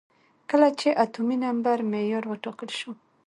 کله چې اتومي نمبر معیار وټاکل شو.